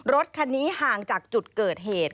รถคันนี้ห่างจากจุดเกิดเหตุ